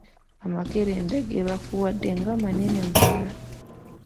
Amakerenda ge bakuwadde nga manene bulala.